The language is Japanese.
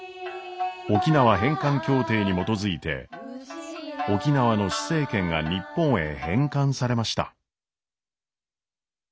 沖縄返還協定に基づいて沖縄の施政権が日本へ返還されました。